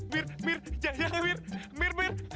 mir mir jangan mir mir mir